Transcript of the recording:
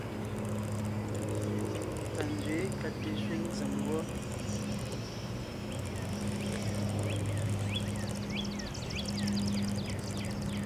Panzwě ka te sẅíŋ tsèm wɔ.